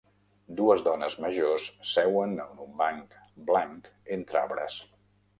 Dues dones majors seuen a un banc blanc entre arbres.